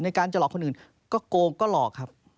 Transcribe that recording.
การจะหลอกคนอื่นก็โกงก็หลอกครับ